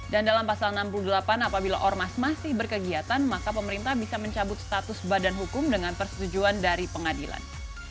dan dalam pasal enam puluh delapan apabila ormas masih berkegiatan maka pemerintah bisa mencabut status badan hukum dengan persetujuan dari pengadilan